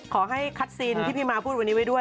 คัดซีนที่พี่ม้าพูดวันนี้ไว้ด้วย